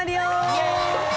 イエイ！